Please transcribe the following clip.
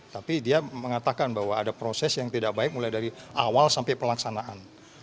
tapi dia mengatakan bahwa ada proses yang tidak baik mulai dari awal sampai pelaksanaan